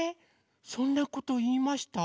そんなこといいました？